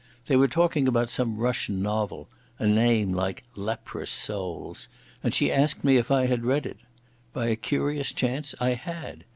They were talking about some Russian novel—a name like Leprous Souls—and she asked me if I had read it. By a curious chance I had.